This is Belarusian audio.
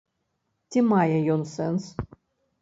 Ці мае ён сэнс?